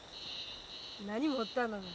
何持ったんのが？